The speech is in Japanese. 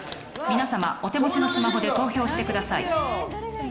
皆さま、お手持ちのスマホで投票してください。